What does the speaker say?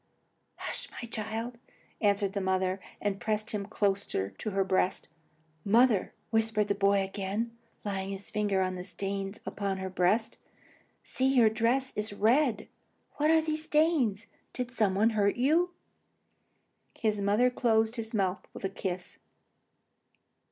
"Oh, hush, my child," answered the mother, and pressed him closer to her side. "Mother," whispered the boy again, laying his finger on the stains upon her breast, "see, your dress is red! What are these stains? Did some one hurt you?" The mother closed his mouth with a kiss.